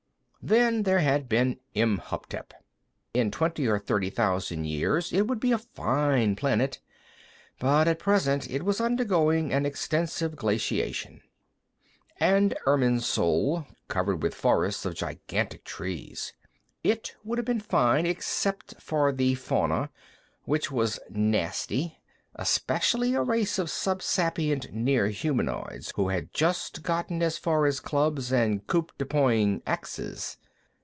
Then there had been Imhotep; in twenty or thirty thousand years, it would be a fine planet, but at present it was undergoing an extensive glaciation. And Irminsul, covered with forests of gigantic trees; it would have been fine except for the fauna, which was nasty, especially a race of subsapient near humanoids who had just gotten as far as clubs and coup de poing axes.